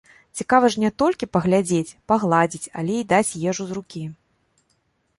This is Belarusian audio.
Цікава ж не толькі паглядзець, пагладзіць, але і даць ежу з рукі!